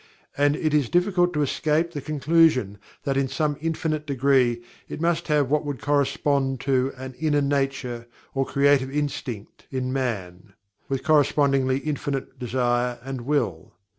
And it is difficult to escape the conclusion that in some infinite degree it must have what would correspond to an "inner nature," or "creative instinct," in man, with correspondingly infinite Desire and Will.